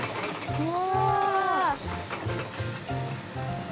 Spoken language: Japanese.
うわ！